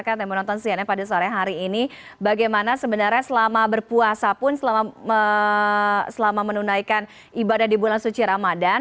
kita menonton cnn pada sore hari ini bagaimana sebenarnya selama berpuasa pun selama menunaikan ibadah di bulan suci ramadan